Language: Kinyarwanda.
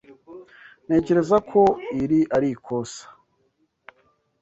Ntekereza ko iri ari ikosa.